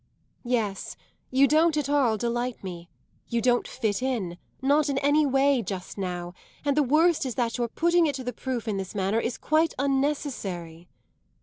"Yes, you don't at all delight me, you don't fit in, not in any way, just now, and the worst is that your putting it to the proof in this manner is quite unnecessary."